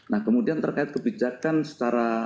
nah kemudian terkait kebijakan secara